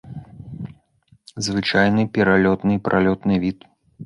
Звычайны пералётны і пралётны від.